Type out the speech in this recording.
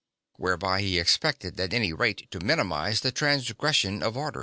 Whereby he expected at any rate to minimise the transgression of orders.